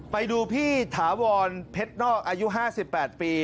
ไปดูพี่ถาวรเพชรนอกอายุ๕๘ปี